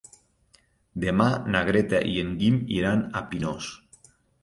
Demà na Greta i en Guim iran a Pinós.